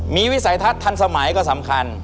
มีวิสัยทัศน์ทันสมัยก็สำคัญ